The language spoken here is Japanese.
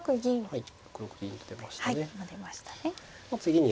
はい。